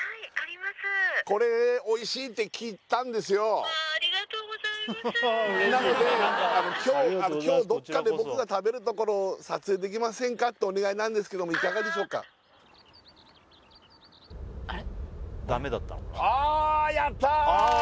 これおいしいって聞いたんですよなので今日あの今日どっかで僕が食べるところを撮影できませんかってお願いなんですけどもいかがでしょうかああ